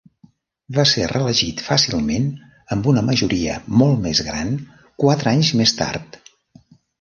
Va ser reelegit fàcilment amb una majoria molt més gran quatre anys més tard.